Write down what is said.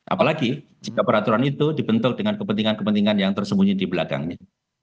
apalagi jika peraturan itu dibentuk dengan kepentingan kepentingan yang tersembunyi di belakangnya